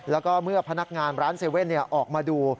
แล้วก็เมื่อพนักงานร้าน๗๑๑ออกมาดู